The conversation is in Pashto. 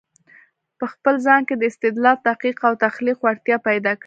په خپل ځان کې د استدلال، تحقیق او تخليق وړتیا پیدا کړی